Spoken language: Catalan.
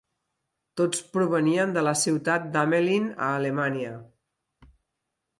Tots provenien de la ciutat d'Hamelin, a Alemanya.